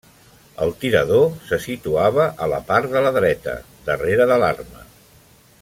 El tirador se situava a la part de la dreta, darrere de l'arma.